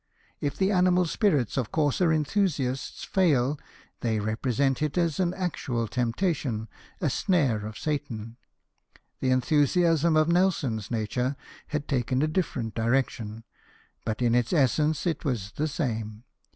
If the animal spirits of coarser enthusiasts fail, they represent it as an actual temptation, a snare of Satan. The enthu siasm of Nelson's nature had taken a different direc tion, but in its essence it was the same.